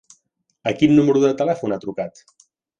A quin número de telèfon ha trucat?